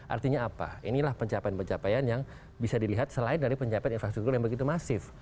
artinya apa inilah pencapaian pencapaian yang bisa dilihat selain dari pencapaian infrastruktur yang begitu masif